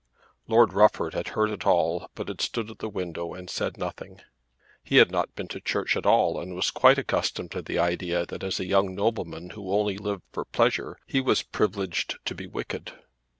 Lord Rufford had heard it all but had stood at the window and said nothing. He had not been to church at all, and was quite accustomed to the idea that as a young nobleman who only lived for pleasure he was privileged to be wicked.